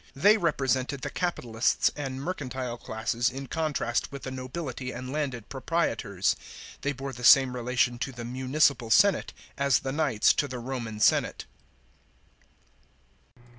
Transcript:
They represented the capitalists and mercantile classes in contrast with the nobility and landed proprietors ; they bore the same relation to the municipal senate as the knights to the Roman senate.